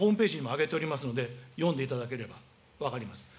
これはホームページにも上げておりますので、読んでいただければ分かります。